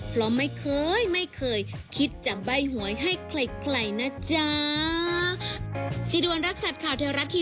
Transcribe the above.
เพราะไม่เคยไม่เคยคิดจะใบ้หวยให้ใครนะจ๊ะ